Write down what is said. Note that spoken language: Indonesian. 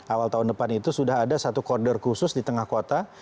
awal tahun depan itu sudah ada satu koridor khusus di tengah kota